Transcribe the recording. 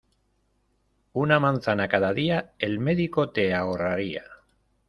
Una manzana cada día, el médico te ahorraría.